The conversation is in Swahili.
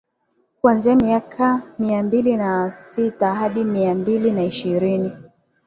Kuanzia miaka ya mia mbili na sita hadi mia mbili na ishirini